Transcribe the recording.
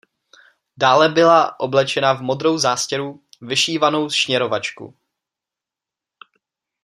Dále byla oblečena v modrou zástěru, vyšívanou šněrovačku.